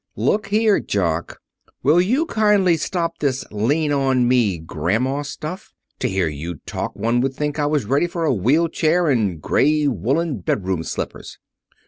"Look here, Jock! Will you kindly stop this lean on me grandma stuff! To hear you talk one would think I was ready for a wheel chair and gray woolen bedroom slippers."